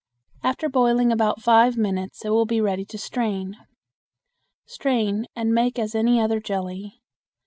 After boiling about five minutes it will be ready to strain. Strain and make as any other jelly.